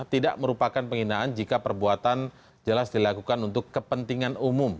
tidak merupakan penghinaan jika perbuatan jelas dilakukan untuk kepentingan umum